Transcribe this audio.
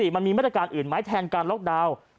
มันมีมาตรการอื่นไหมแทนการล็อกดาวน์